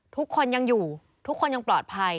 ทุกคนยังอยู่ทุกคนยังปลอดภัย